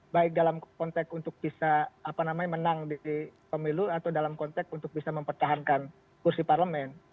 baik dalam konteks untuk bisa menang di pemilu atau dalam konteks untuk bisa mempertahankan kursi parlemen